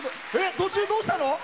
途中どうしたの？